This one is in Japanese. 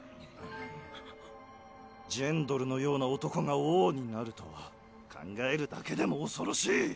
ジェンドルのような男が王になるとは考えるだけでも恐ろしい。